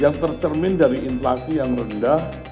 yang tercermin dari inflasi yang rendah